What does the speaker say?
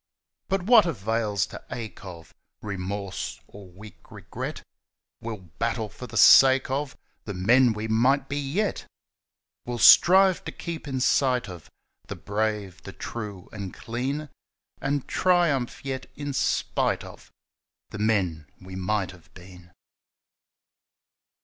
But what avails the ache of Remorse or weak regret? We'll battle for the sake of The men we might be yet! We'll strive to keep in sight of The brave, the true, and clean, And triumph yet in spite of The men we might have been.